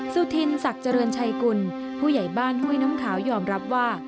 สุธินศักดิ์เจริญชัยกุลผู้ใหญ่บ้านห้วยน้ำขาวยอมรับว่า